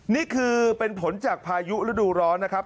นี่คือเป็นผลจากพายุฤดูร้อนนะครับ